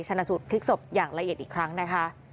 ชนะสูตรพลิกศพอย่างละเอียดอีกครั้งนะคะ